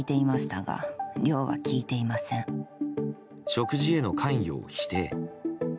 食事への関与を否定。